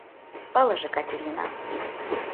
— ылыже Катерина.